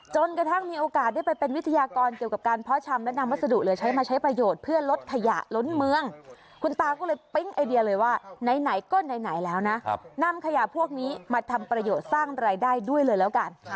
จนกระทั่งมีโอกาสได้ไปเป็นวิทยากร